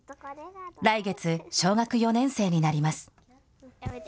来月、小学４年生になります。